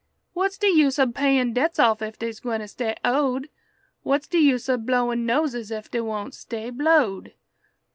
What's de use ob payin' debts off ef dey's gwine stay owed? What's de use ob blowin' noses ef dey won't stay blowed?"